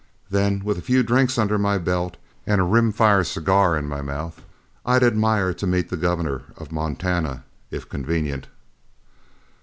Then with a few drinks under my belt and a rim fire cigar in my mouth, I'd admire to meet the governor of Montana if convenient."